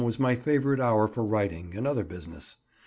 was my favourite hour for writing and other business.